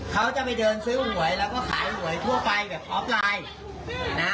เขาจะไปเดินซื้อหวยแล้วก็ขายหวยทั่วไปแบบออฟไลน์นะ